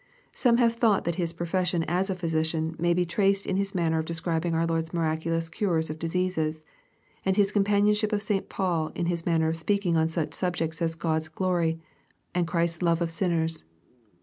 Some have thought that his profession as a physician may be traced in his manner of describing our Lord's miraculous cures of diseases, — and his companionship of St Paul in his man ner of speaking on such subjects as God's glory, and Christ's love to sinners.